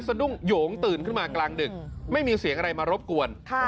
สะดุ้งโยงตื่นขึ้นมากลางดึกไม่มีเสียงอะไรมารบกวน